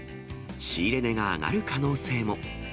仕入れ値が上がる可能性も。